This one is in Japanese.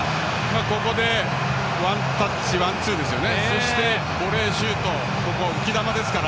ここでワンタッチワンツーですよね。